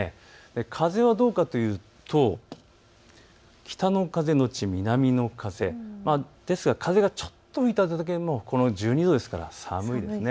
風はどうかというと北の風後南の風、風がちょっと吹いただけでも１２度ですから寒いですね。